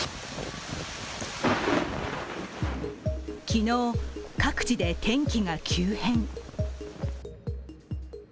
昨日、各地で天気が急変。